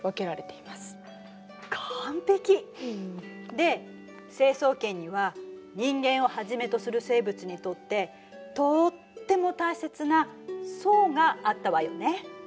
で成層圏には人間をはじめとする生物にとってとっても大切な層があったわよね？